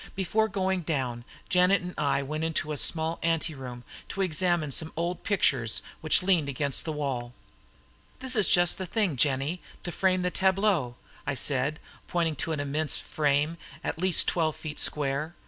Before going down, Janet and I went into a small anteroom to examine some old pictures which leaned against the wall. "This is just the thing, Jennie, to frame the tableaux," I said, pointing to an immense frame, at least twelve feet square.